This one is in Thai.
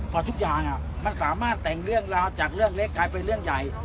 เพราะทุกอย่างมันสามารถแต่งเรื่องราวจากเรื่องเล็กกลายเป็นเรื่องใหญ่